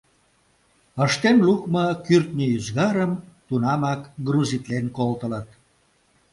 Ыштен лукмо кӱртньӧ ӱзгарым тунамак грузитлен колтылыт.